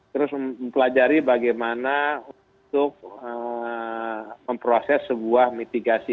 terus mempelajari bagaimana untuk memproses sebuah mitigasi